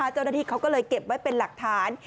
เจ้าหน้าที่เขาก็เลยเก็บไว้เป็นหลักฐาน